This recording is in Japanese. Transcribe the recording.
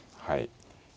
はい。